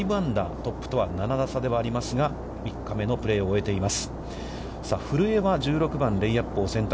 トップとは７打差ではありますが、３日目のプレーを終えています